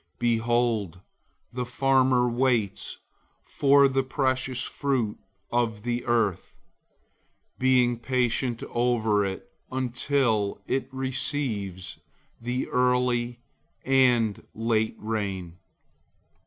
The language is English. Behold, the farmer waits for the precious fruit of the earth, being patient over it, until it receives the early and late rain.